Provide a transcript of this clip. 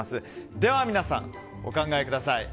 では皆さん、お考えください。